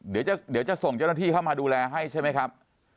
เดี๋ยวจะส่งเจ้าหน้าที่เข้ามาดูแลให้ใช่ไหมครับ